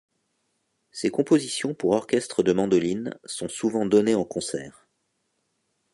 Ses compositions pour orchestre de mandolines sont souvent données en concert.